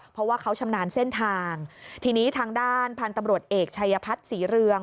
เพราะว่าเขาชำนาญเส้นทางทีนี้ทางด้านพันธุ์ตำรวจเอกชัยพัฒน์ศรีเรือง